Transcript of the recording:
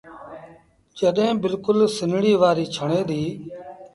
جڏهيݩ بلڪُل سنڙيٚ وآريٚ ڇڻي ديٚ۔